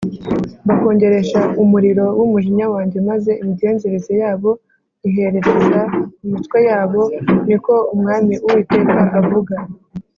mbakongeresha umuriro w’umujinya wanjye, maze imigenzereze yabo nyiherereza ku mitwe yabo” Ni ko Umwami Uwiteka avuga